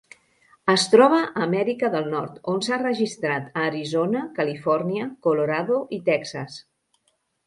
Es troba a Amèrica del Nord, on s'ha registrat a Arizona, Califòrnia, Colorado i Texas.